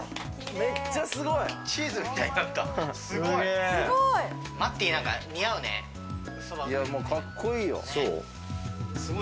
めっちゃすごい。